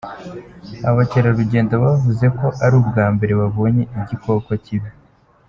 Aba bakerarugendo bavuze ko ari ubwa mbere babonye igikoko kibi.